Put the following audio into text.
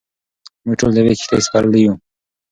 موږ ټول د یوې کښتۍ سپرلۍ یو.